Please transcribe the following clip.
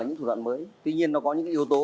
những thủ đoạn mới tuy nhiên nó có những yếu tố